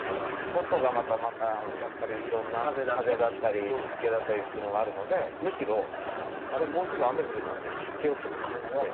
外がまたまたやっぱり色んな風だったり湿気だったりっていうのがあるのでむしろ「あれ？もうすぐ雨降るな」っていうのを湿気をちょっと感じて。